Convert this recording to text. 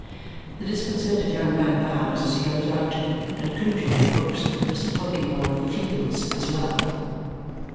The disconcerted young man bows, as he goes out, and cringingly hopes that Mr. Tulkinghorn of the Fields is well.